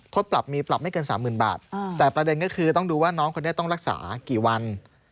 ปรับมีปรับไม่เกิน๓๐๐๐บาทแต่ประเด็นก็คือต้องดูว่าน้องคนนี้ต้องรักษากี่วัน